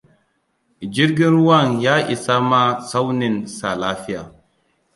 Jirgin wuran ya isa ma tsaukin sa lafiya.